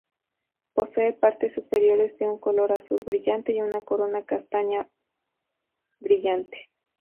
Posee partes superiores de un color azul brillante y una corona castaña brillante.